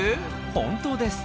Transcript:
本当です。